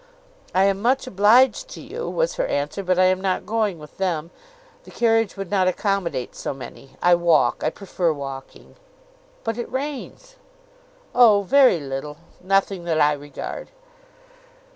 "I am much obliged to you," was her answer, "but I am not going with them. The carriage would not accommodate so many. I walk: I prefer walking." "But it rains." "Oh! very little, Nothing that I regard."